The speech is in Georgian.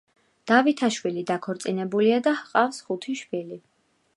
დავითაშვილი დაქორწინებულია და ჰყავს ხუთი შვილი.